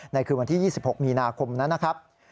คืนวันที่๒๖มีนาคมนั้นนะครับ